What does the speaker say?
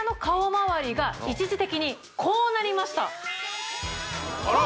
まわりが一時的にこうなりましたあら！